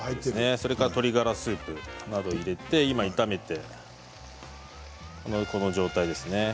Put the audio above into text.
それから鶏ガラスープなどを入れて、今、炒めてこの状態ですね。